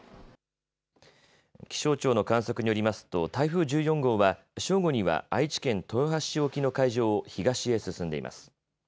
気象庁の観測によりますと台風１４号は正午には愛知県豊橋市沖の海上を東へ進んでいます。